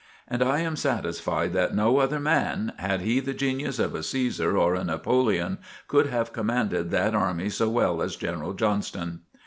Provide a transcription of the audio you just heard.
And I am satisfied that no other man, had he the genius of a Cæsar or a Napoleon, could have commanded that army so well as General Johnston.